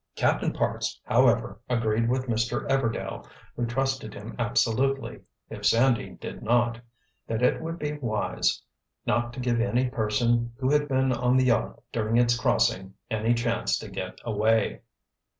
Captain Parks, however, agreed with Mr. Everdail, who trusted him absolutely—if Sandy did not—that it would be wise not to give any person who had been on the yacht during its crossing any chance to get away.